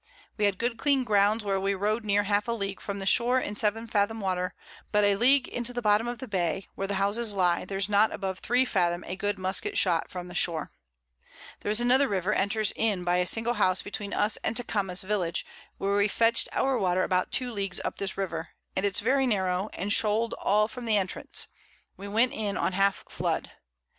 We had good clean Ground where we rode near half a League from the Shore in 7 Fathom Water, but a League into the Bottom of the Bay, where the Houses lie, there's not above 3 Fathom a good Musket shot from the Shore. There is another River enters in by a single House between us and Tecames Village, where we fetch'd our Water about 2 Leagues up this River; and it's very narrow, and shoal'd all from the Entrance; we went in on half Flood.